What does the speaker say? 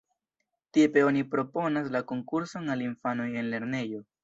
Tipe oni proponas la konkurson al infanoj en lernejo.